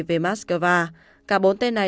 về moscow cả bốn tên này